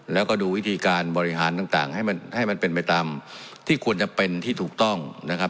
แล้วก็ดูวิธีการบริหารต่างให้มันให้มันเป็นไปตามที่ควรจะเป็นที่ถูกต้องนะครับ